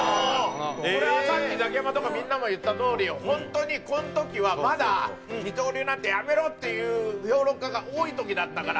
これはさっきザキヤマとかみんなも言ったとおり本当にこの時はまだ二刀流なんてやめろっていう評論家が多い時だったから。